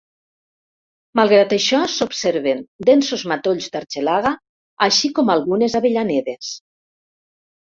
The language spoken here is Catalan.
Malgrat això, s'observen densos matolls d'argelaga, així com algunes avellanedes.